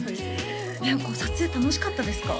これ撮影楽しかったですか？